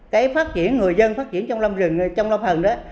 cái phát triển người dân phát triển trong lâm rừng trong lâm phần đó